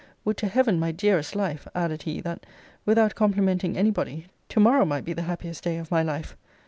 Would to heaven, my dearest life, added he, that, without complimenting any body, to morrow might be the happiest day of my life!